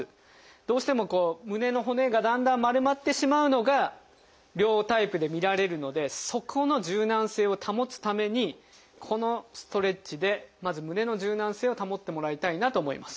どうしても胸の骨がだんだん丸まってしまうのが両タイプで見られるのでそこの柔軟性を保つためにこのストレッチでまず胸の柔軟性を保ってもらいたいなと思います。